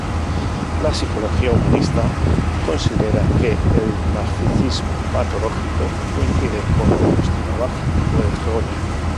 La psicología humanista considera que el narcisismo patológico coincide con autoestima baja o errónea.